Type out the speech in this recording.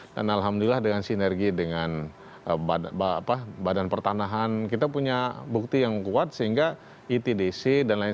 dan alhamdulillah dengan sinergi dengan badan pertanahan kita punya bukti yang kuat sehingga itdc dan lain lain